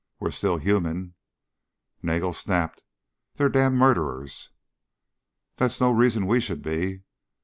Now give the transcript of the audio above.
"We're still human." Nagel snapped, "They're damned murderers." "That's no reason we should be."